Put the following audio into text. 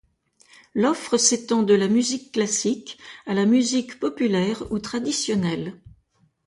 L'offre s'étend de la musique classique à la musique populaire ou traditionnelle.